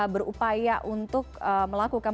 berupaya untuk melakukan